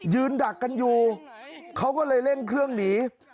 ดักกันอยู่เขาก็เลยเร่งเครื่องหนี